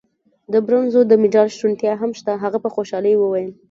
د برونزو د مډال شونتیا هم شته. هغه په خوشحالۍ وویل.